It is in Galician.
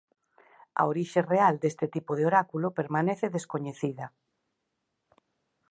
A orixe real deste tipo de oráculo permanece descoñecida.